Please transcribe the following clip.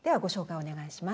お願いします。